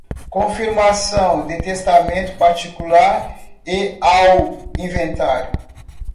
confirmação de testamento particular e ao inventário